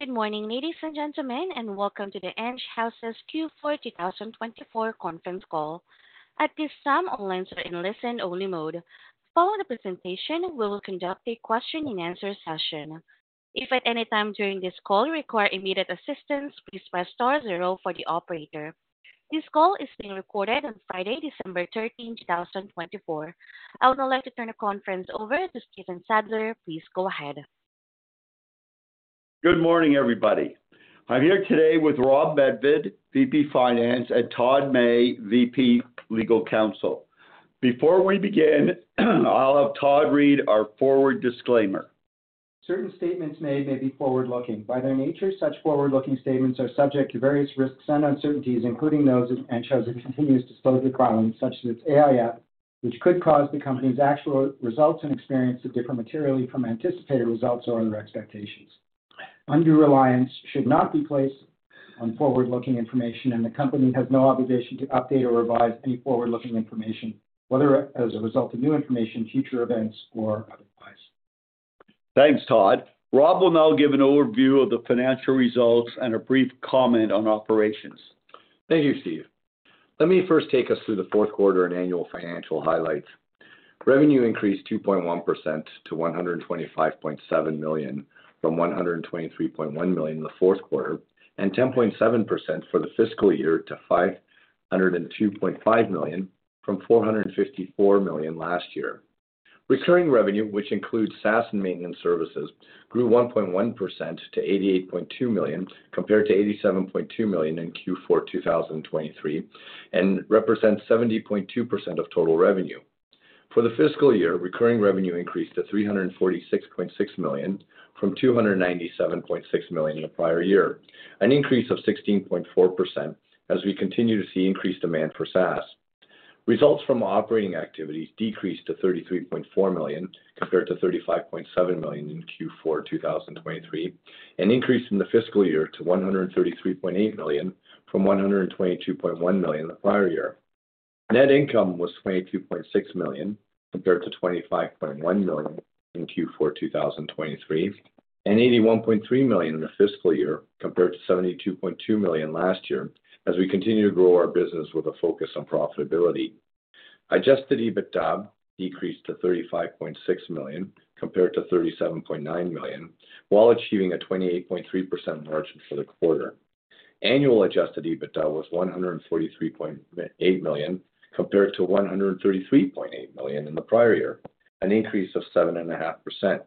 Good morning, ladies and gentlemen, and welcome to the Enghouse Systems Q4 2024 conference call. At this time, all lines are in listen-only mode. Following the presentation, we will conduct a question-and-answer session. If at any time during this call you require immediate assistance, please press star 0 for the operator. This call is being recorded on Friday, December 13, 2024. I would now like to turn the conference over to Stephen Sadler. Please go ahead. Good morning, everybody. I'm here today with Rob Medved, VP Finance, and Todd May, VP Legal Counsel. Before we begin, I'll have Todd read our forward disclaimer. Certain statements made may be forward-looking. By their nature, such forward-looking statements are subject to various risks and uncertainties, including those of an Enghouse's that continuous to disclosure the problems, such as its AIF, which could cause the company's actual results and experience to differ materially from anticipated results or other expectations. Undue reliance should not be placed on forward-looking information, and the company has no obligation to update or revise any forward-looking information, whether as a result of new information, future events, or otherwise. Thanks, Todd. Rob will now give an overview of the financial results and a brief comment on operations. Thank you, Steph. Let me first take us through the fourth quarter and annual financial highlights. Revenue increased 2.1% to 125.7 million from 123.1 million in the fourth quarter, and 10.7% for the fiscal year to 502.5 million from 454 million last year. Recurring revenue, which includes SaaS and maintenance services, grew 1.1% to 88.2 million, compared to 87.2 million in Q4 2023, and represents 70.2% of total revenue. For the fiscal year, recurring revenue increased to 346.6 million from 297.6 million the prior year, an increase of 16.4% as we continue to see increased demand for SaaS. Results from operating activities decreased to 33.4 million compared to 35.7 million in Q4 2023, an increase in the fiscal year to 133.8 million from 122.1 million the prior year. Net income was 22.6 million compared to 25.1 million in Q4 2023, and 81.3 million in the fiscal year compared to 72.2 million last year as we continue to grow our business with a focus on profitability. Adjusted EBITDA decreased to 35.6 million compared to 37.9 million, while achieving a 28.3% margin for the quarter. Annual adjusted EBITDA was 143.8 million compared to 133.8 million in the prior year, an increase of 7.5%.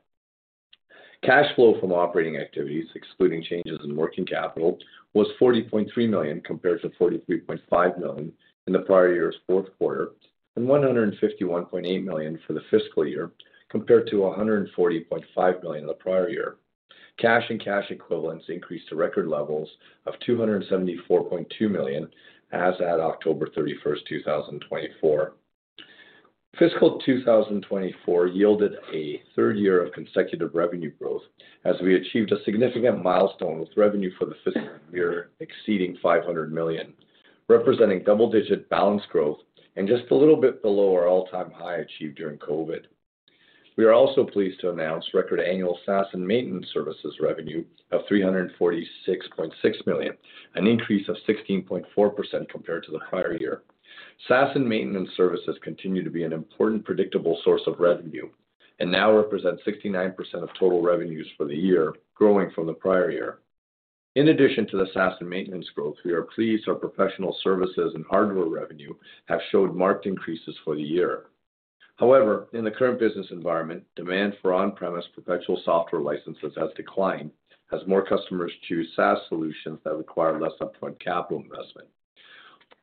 Cash flow from operating activities, excluding changes in working capital, was 40.3 million compared to 43.5 million in the prior year's fourth quarter, and 151.8 million for the fiscal year compared to 140.5 million the prior year. Cash and cash equivalents increased to record levels of 274.2 million as at October 31, 2024. Fiscal 2024 yielded a third year of consecutive revenue growth as we achieved a significant milestone with revenue for the fiscal year exceeding 500 million, representing double-digit balance growth and just a little bit below our all-time high achieved during COVID. We are also pleased to announce record annual SaaS and maintenance services revenue of 346.6 million, an increase of 16.4% compared to the prior year. SaaS and maintenance services continue to be an important predictable source of revenue and now represent 69% of total revenues for the year, growing from the prior year. In addition to the SaaS and maintenance growth, we are pleased our professional services and hardware revenue have showed marked increases for the year. However, in the current business environment, demand for on-premise perpetual software licenses has declined as more customers choose SaaS solutions that require less upfront capital investment.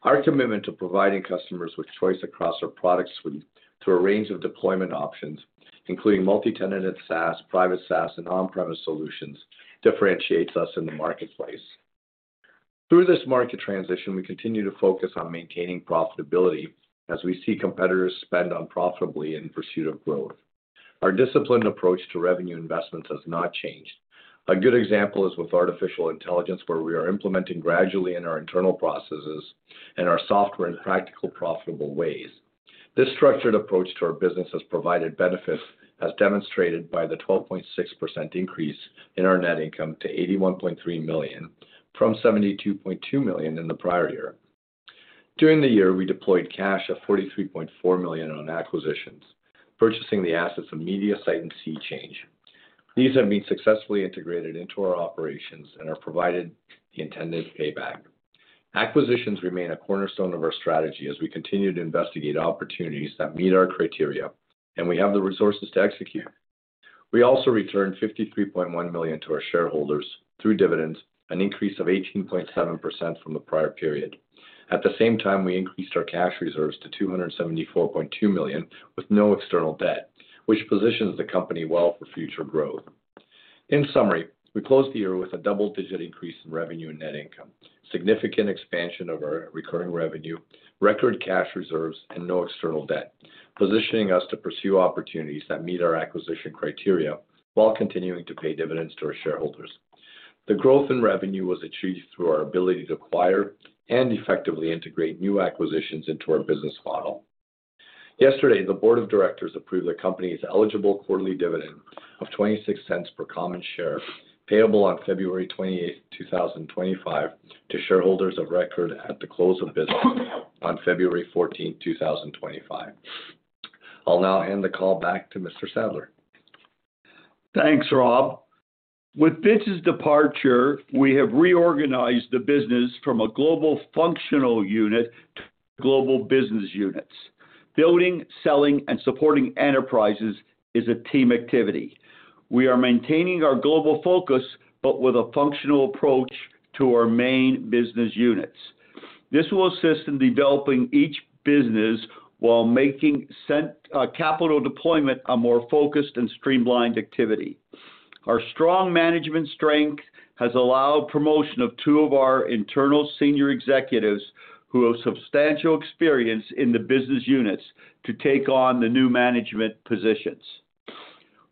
Our commitment to providing customers with choice across our product suite through a range of deployment options, including multi-tenanted SaaS, private SaaS, and on-premise solutions, differentiates us in the marketplace. Through this market transition, we continue to focus on maintaining profitability as we see competitors spend unprofitably in pursuit of growth. Our disciplined approach to revenue investments has not changed. A good example is with artificial intelligence, where we are implementing gradually in our internal processes and our software in practical, profitable ways. This structured approach to our business has provided benefits, as demonstrated by the 12.6% increase in our net income to 81.3 million from 72.2 million in the prior year. During the year, we deployed cash of 43.4 million on acquisitions, purchasing the assets of Mediasite and SeaChange. These have been successfully integrated into our operations and are providing the intended payback. Acquisitions remain a cornerstone of our strategy as we continue to investigate opportunities that meet our criteria, and we have the resources to execute. We also returned 53.1 million to our shareholders through dividends, an increase of 18.7% from the prior period. At the same time, we increased our cash reserves to 274.2 million with no external debt, which positions the company well for future growth. In summary, we closed the year with a double-digit increase in revenue and net income, significant expansion of our recurring revenue, record cash reserves, and no external debt, positioning us to pursue opportunities that meet our acquisition criteria while continuing to pay dividends to our shareholders. The growth in revenue was achieved through our ability to acquire and effectively integrate new acquisitions into our business model. Yesterday, the Board of Directors approved the company's eligible quarterly dividend of 0.26 per common share, payable on February 28, 2025, to shareholders of record at the close of business on February 14, 2025. I'll now hand the call back to Mr. Sadler. Thanks, Rob. With business departure, we have reorganized the business from a global functional unit to global business units. Building, selling, and supporting enterprises is a team activity. We are maintaining our global focus, but with a functional approach to our main business units. This will assist in developing each business while making capital deployment a more focused and streamlined activity. Our strong management strength has allowed promotion of two of our internal senior executives who have substantial experience in the business units to take on the new management positions.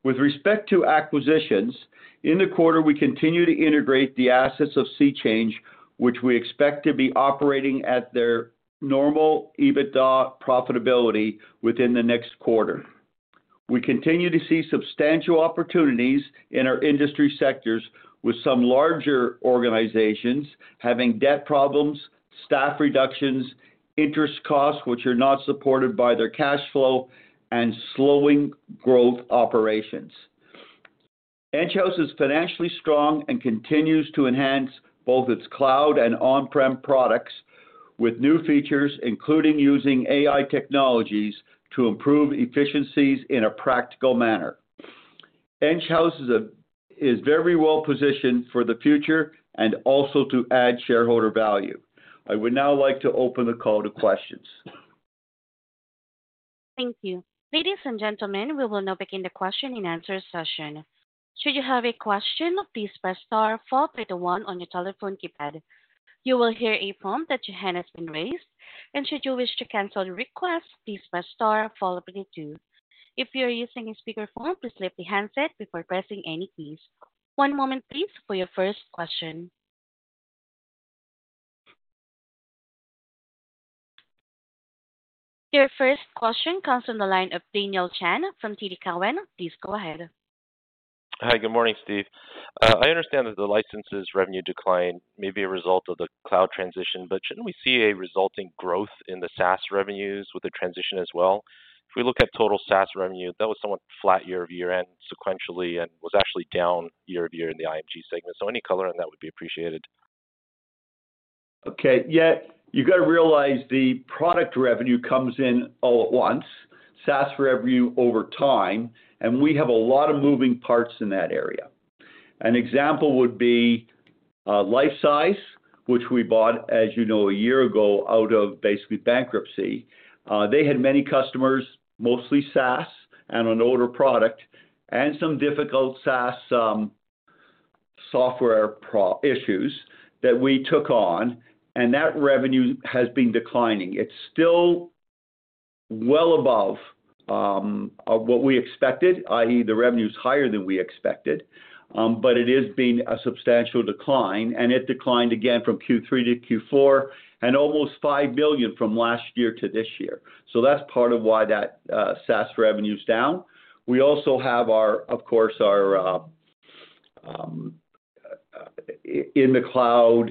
With respect to acquisitions, in the quarter, we continue to integrate the assets of SeaChange, which we expect to be operating at their normal EBITDA profitability within the next quarter. We continue to see substantial opportunities in our industry sectors, with some larger organizations having debt problems, staff reductions, interest costs which are not supported by their cash flow, and slowing growth operations. Enghouse is financially strong and continues to enhance both its cloud and on-prem products with new features, including using AI technologies to improve efficiencies in a practical manner. Enghouse is very well positioned for the future and also to add shareholder value. I would now like to open the call to questions. Thank you. Ladies and gentlemen, we will now begin the question-and-answer session. Should you have a question, please press star 1 or press 1 on your telephone keypad. You will hear a tone indicating that your hand has been raised, and should you wish to cancel the request, please press star 2 or press 2. If you are using a speakerphone, please lift the handset before pressing any keys. One moment, please, for your first question. Your first question comes from the line of Daniel Chan from TD Cowen. Please go ahead. Hi, good morning, Steph. I understand that the licenses revenue decline may be a result of the cloud transition, but shouldn't we see a resulting growth in the SaaS revenues with the transition as well? If we look at total SaaS revenue, that was somewhat flat year-over-year and sequentially and was actually down year-over-year in the IMG segment. So any color on that would be appreciated. Okay. Yeah, you've got to realize the product revenue comes in all at once, SaaS revenue over time, and we have a lot of moving parts in that area. An example would be Lifesize, which we bought, as you know, a year ago out of basically bankruptcy. They had many customers, mostly SaaS and an older product, and some difficult SaaS software issues that we took on, and that revenue has been declining. It's still well above what we expected, i.e., the revenue is higher than we expected, but it is being a substantial decline, and it declined again from Q3 to Q4 and almost $5 million from last year to this year. So that's part of why that SaaS revenue is down. We also have, of course, our in the cloud.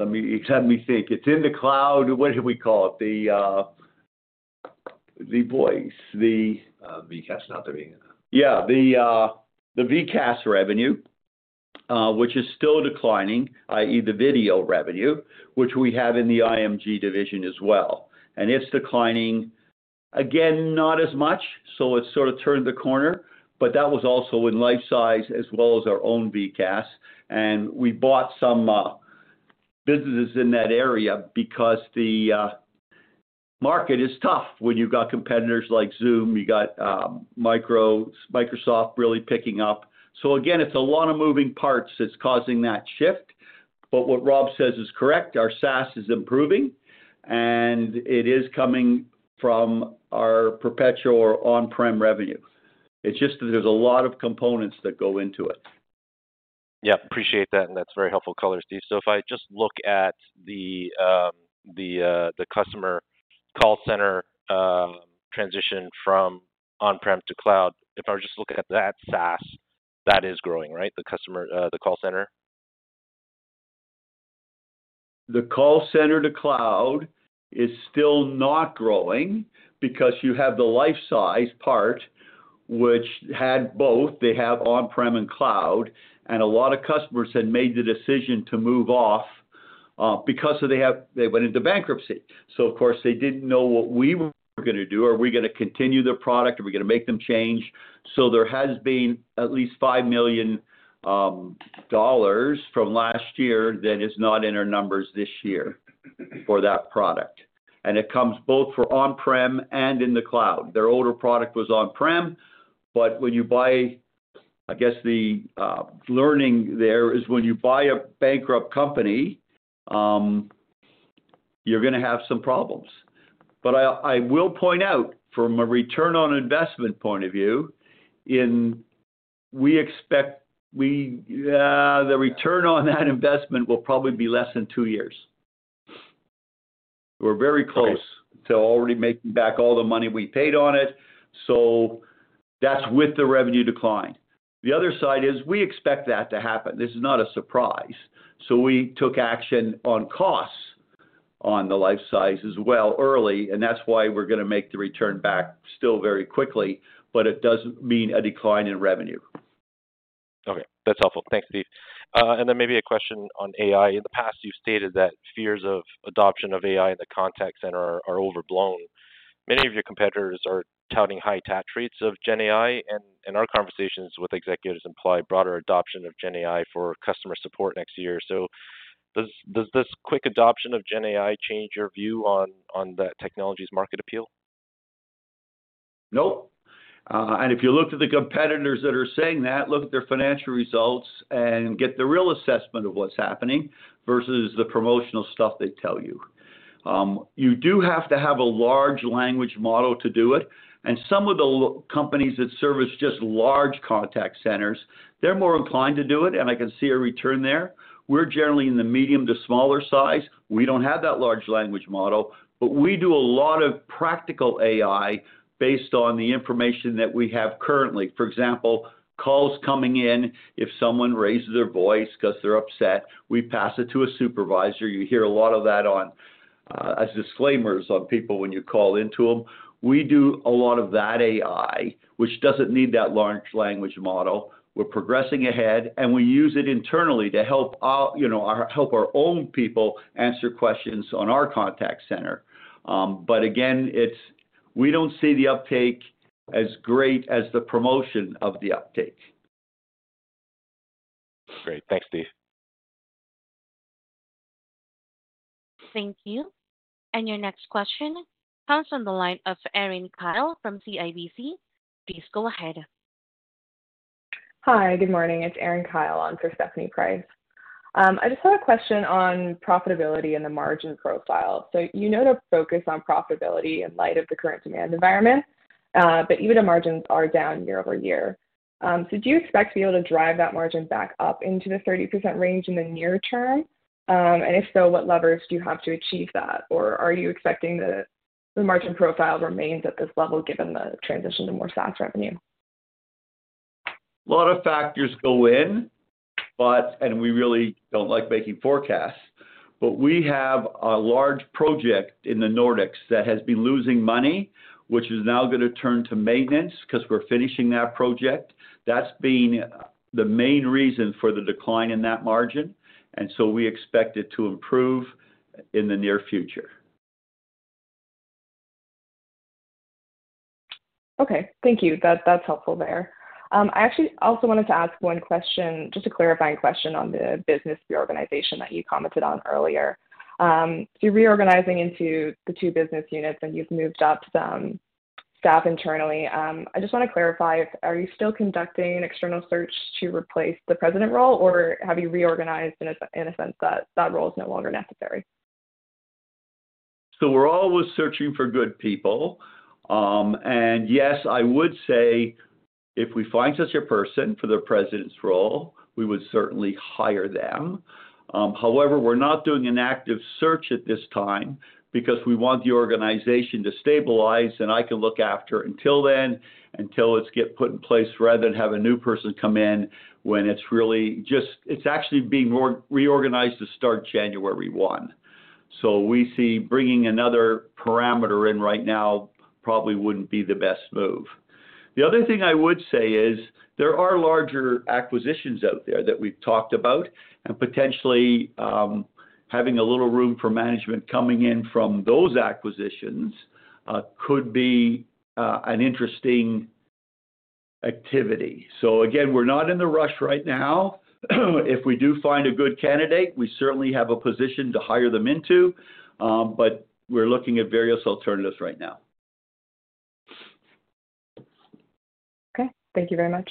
Let me think. It's in the cloud. What did we call it? The voice. The. VCaaS, not the revenue. Yeah, the VCaaS revenue, which is still declining, i.e., the video revenue, which we have in the IMG division as well, and it's declining, again, not as much, so it's sort of turned the corner, but that was also in Lifesize as well as our own VCaaS, and we bought some businesses in that area because the market is tough when you've got competitors like Zoom, you've got Microsoft, really picking up, so again, it's a lot of moving parts that's causing that shift, but what Rob says is correct. Our SaaS is improving, and it is coming from our perpetual or on-prem revenue. It's just that there's a lot of components that go into it. Yeah, appreciate that, and that's very helpful color, Steph. So if I just look at the customer call center transition from on-prem to cloud, if I were just to look at that SaaS, that is growing, right? The customer, the call center? The call center to cloud is still not growing because you have the Lifesize part, which had both. They have on-prem and cloud, and a lot of customers had made the decision to move off because they went into bankruptcy. So of course, they didn't know what we were going to do. Are we going to continue the product? Are we going to make them change? So there has been at least 5 million dollars from last year that is not in our numbers this year for that product. And it comes both for on-prem and in the cloud. Their older product was on-prem, but when you buy, I guess the learning there is when you buy a bankrupt company, you're going to have some problems. But I will point out, from a return on investment point of view, we expect the return on that investment will probably be less than two years. We're very close to already making back all the money we paid on it. So that's with the revenue decline. The other side is we expect that to happen. This is not a surprise. So we took action on costs on the Lifesize as well early, and that's why we're going to make the return back still very quickly, but it doesn't mean a decline in revenue. Okay. That's helpful. Thanks, Steph. And then maybe a question on AI. In the past, you've stated that fears of adoption of AI in the contact center are overblown. Many of your competitors are touting high-touch rates of GenAI, and our conversations with executives imply broader adoption of GenAI for customer support next year. So does this quick adoption of GenAI change your view on that technology's market appeal? Nope, and if you look at the competitors that are saying that, look at their financial results and get the real assessment of what's happening versus the promotional stuff they tell you. You do have to have a large language model to do it, and some of the companies that service just large contact centers, they're more inclined to do it, and I can see a return there. We're generally in the medium to smaller size. We don't have that large language model, but we do a lot of practical AI based on the information that we have currently. For example, calls coming in, if someone raises their voice because they're upset, we pass it to a supervisor. You hear a lot of that as disclaimers on people when you call into them. We do a lot of that AI, which doesn't need that large language model. We're progressing ahead, and we use it internally to help our own people answer questions on our contact center. But again, we don't see the uptake as great as the promotion of the uptake. Great. Thanks, Steph. Thank you. And your next question comes from the line of Erin Kyle from CIBC. Please go ahead. Hi, good morning. It's Erin Kyle on for Stephanie Price. I just have a question on profitability and the margin profile. So you know to focus on profitability in light of the current demand environment, but even the margins are down year over year. So do you expect to be able to drive that margin back up into the 30% range in the near term? And if so, what levers do you have to achieve that? Or are you expecting the margin profile remains at this level given the transition to more SaaS revenue? A lot of factors go in, and we really don't like making forecasts, but we have a large project in the Nordics that has been losing money, which is now going to turn to maintenance because we're finishing that project. That's been the main reason for the decline in that margin, and so we expect it to improve in the near future. Okay. Thank you. That's helpful there. I actually also wanted to ask one question, just a clarifying question on the business reorganization that you commented on earlier. So you're reorganizing into the two business units, and you've moved up some staff internally. I just want to clarify, are you still conducting external search to replace the president role, or have you reorganized in a sense that that role is no longer necessary? We're always searching for good people. Yes, I would say if we find such a person for the president's role, we would certainly hire them. However, we're not doing an active search at this time because we want the organization to stabilize, and I can look after until then, until it's put in place, rather than have a new person come in when it's really just actually being reorganized to start January 1. We see bringing another person in right now probably wouldn't be the best move. The other thing I would say is there are larger acquisitions out there that we've talked about, and potentially having a little room for management coming in from those acquisitions could be an interesting activity. Again, we're not in the rush right now. If we do find a good candidate, we certainly have a position to hire them into, but we're looking at various alternatives right now. Okay. Thank you very much.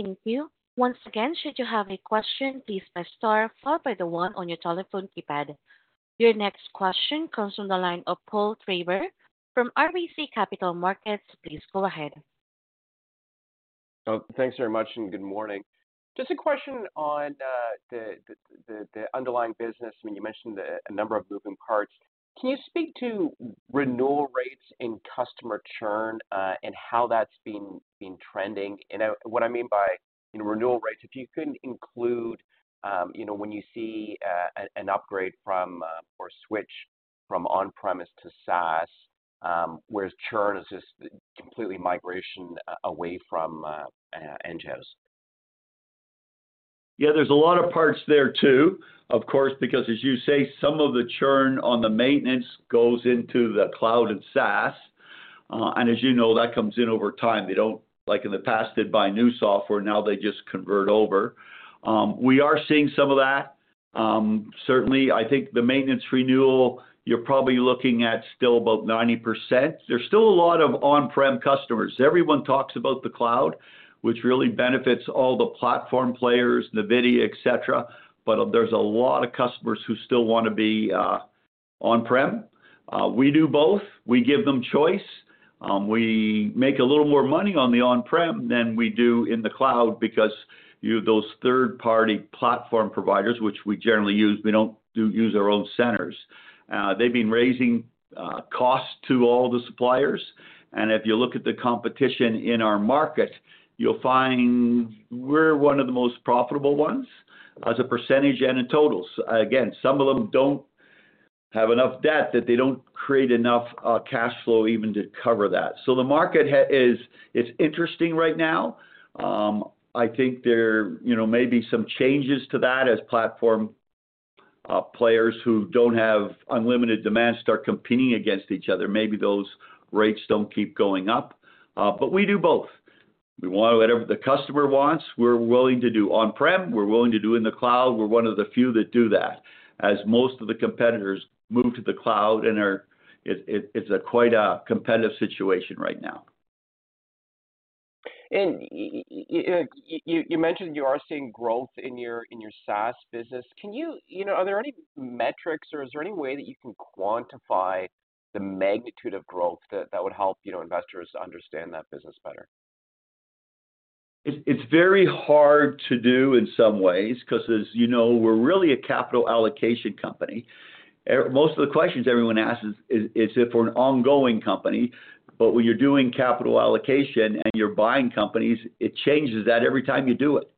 Thank you. Once again, should you have a question, please press star 4 or press 1 on your telephone keypad. Your next question comes from the line of Paul Treiber from RBC Capital Markets. Please go ahead. Thanks very much, and good morning. Just a question on the underlying business. I mean, you mentioned a number of moving parts. Can you speak to renewal rates and customer churn and how that's been trending? And what I mean by renewal rates, if you could include when you see an upgrade or switch from on-premise to SaaS, whereas churn is just complete migration away from Enghouse? Yeah, there's a lot of parts there too, of course, because as you say, some of the churn on the maintenance goes into the cloud and SaaS, and as you know, that comes in over time. They don't, like in the past, did buy new software. Now they just convert over. We are seeing some of that. Certainly, I think the maintenance renewal, you're probably looking at still about 90%. There's still a lot of on-prem customers. Everyone talks about the cloud, which really benefits all the platform players, NVIDIA, etc., but there's a lot of customers who still want to be on-prem. We do both. We give them choice. We make a little more money on the on-prem than we do in the cloud because those third-party platform providers, which we generally use, we don't use our own centers. They've been raising costs to all the suppliers. And if you look at the competition in our market, you'll find we're one of the most profitable ones as a percentage and in totals. Again, some of them don't have enough debt that they don't create enough cash flow even to cover that. So the market is interesting right now. I think there may be some changes to that as platform players who don't have unlimited demand start competing against each other. Maybe those rates don't keep going up. But we do both. We want whatever the customer wants. We're willing to do on-prem. We're willing to do in the cloud. We're one of the few that do that as most of the competitors move to the cloud, and it's quite a competitive situation right now. You mentioned you are seeing growth in your SaaS business. Are there any metrics, or is there any way that you can quantify the magnitude of growth that would help investors understand that business better? It's very hard to do in some ways because, as you know, we're really a capital allocation company. Most of the questions everyone asks is if we're an ongoing company. But when you're doing capital allocation and you're buying companies, it changes that every time you do it.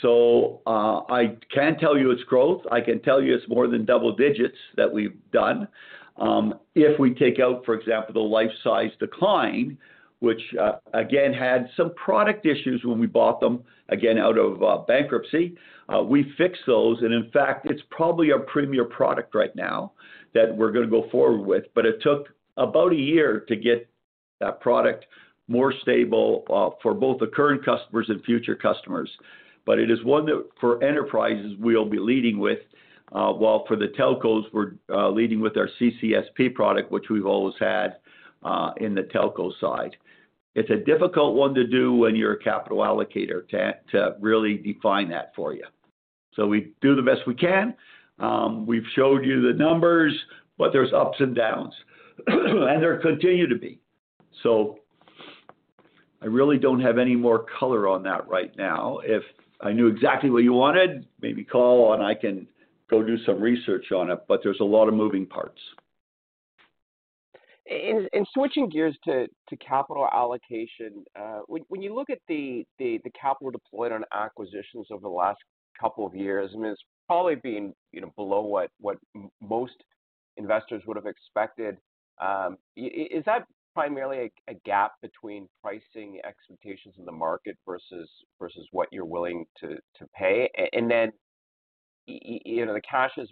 So I can't tell you it's growth. I can tell you it's more than double digits that we've done. If we take out, for example, the Lifesize decline, which again had some product issues when we bought them, again, out of bankruptcy, we fixed those. And in fact, it's probably our premier product right now that we're going to go forward with, but it took about a year to get that product more stable for both the current customers and future customers. But it is one that for enterprises we'll be leading with, while for the telcos, we're leading with our CCSP product, which we've always had in the telco side. It's a difficult one to do when you're a capital allocator to really define that for you. So we do the best we can. We've showed you the numbers, but there's ups and downs, and there continue to be. So I really don't have any more color on that right now. If I knew exactly what you wanted, maybe call, and I can go do some research on it, but there's a lot of moving parts. And switching gears to capital allocation, when you look at the capital deployed on acquisitions over the last couple of years, I mean, it's probably been below what most investors would have expected. Is that primarily a gap between pricing expectations of the market versus what you're willing to pay? And then the cash is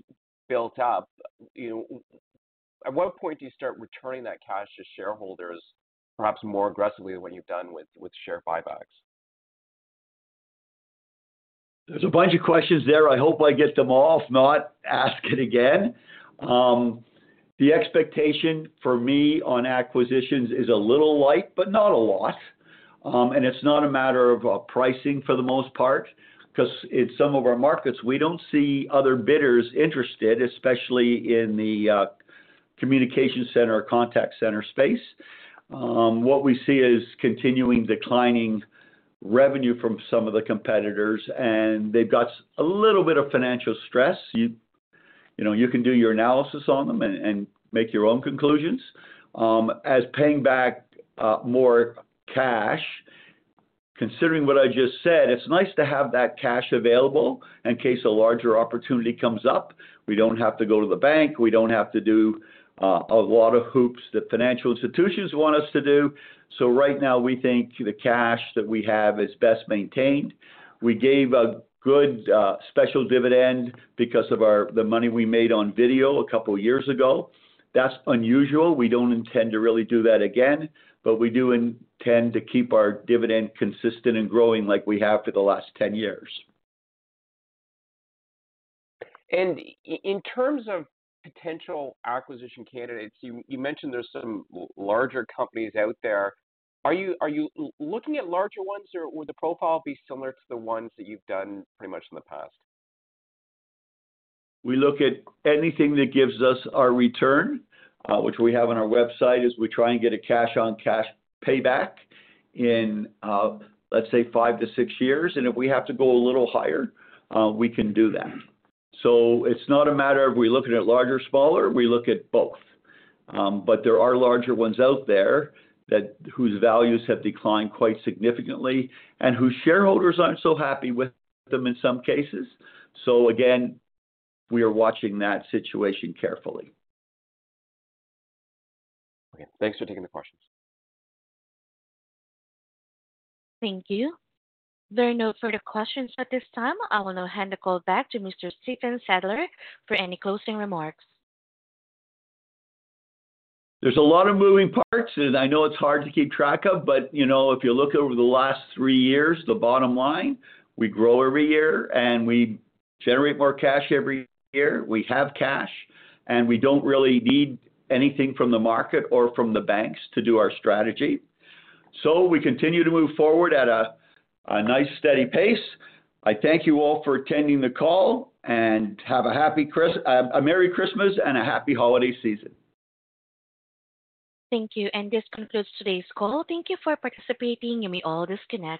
built up. At what point do you start returning that cash to shareholders, perhaps more aggressively than what you've done with share buybacks? There's a bunch of questions there. I hope I get them all, if not, ask it again. The expectation for me on acquisitions is a little light, but not a lot. And it's not a matter of pricing for the most part because in some of our markets, we don't see other bidders interested, especially in the communication center or contact center space. What we see is continuing declining revenue from some of the competitors, and they've got a little bit of financial stress. You can do your analysis on them and make your own conclusions. As paying back more cash, considering what I just said, it's nice to have that cash available in case a larger opportunity comes up. We don't have to go to the bank. We don't have to do a lot of hoops that financial institutions want us to do. So right now, we think the cash that we have is best maintained. We gave a good special dividend because of the money we made on video a couple of years ago. That's unusual. We don't intend to really do that again, but we do intend to keep our dividend consistent and growing like we have for the last 10 years. In terms of potential acquisition candidates, you mentioned there's some larger companies out there. Are you looking at larger ones, or would the profile be similar to the ones that you've done pretty much in the past? We look at anything that gives us our return, which we have on our website, as we try and get a cash-on-cash payback in, let's say, five to six years, and if we have to go a little higher, we can do that, so it's not a matter of are we looking at larger or smaller. We look at both, but there are larger ones out there whose values have declined quite significantly and whose shareholders aren't so happy with them in some cases, so again, we are watching that situation carefully. Okay. Thanks for taking the questions. Thank you. There are no further questions at this time. I will now hand the call back to Mr. Stephen Sadler for any closing remarks. There's a lot of moving parts, and I know it's hard to keep track of, but if you look over the last three years, the bottom line, we grow every year, and we generate more cash every year. We have cash, and we don't really need anything from the market or from the banks to do our strategy. So we continue to move forward at a nice steady pace. I thank you all for attending the call, and have a Merry Christmas and a happy holiday season. Thank you. And this concludes today's call. Thank you for participating. You may all disconnect.